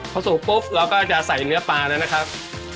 พอสุกปุ๊บเราก็จะใส่เนื้อปลาแล้วนะครับ